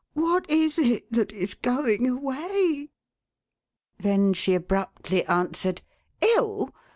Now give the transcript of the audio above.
" What is this that is going away?" Then she abruptly answered :" 111